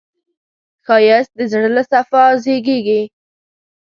ښایست د زړه له صفا زېږېږي